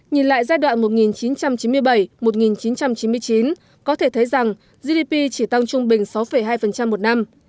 nhìn lại giai đoạn một nghìn chín trăm chín mươi bảy một nghìn chín trăm chín mươi chín có thể thấy rằng gdp chỉ tăng trung bình sáu hai một năm